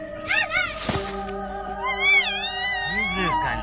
静かに。